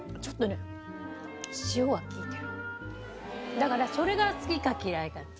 だからそれが好きか嫌いかです。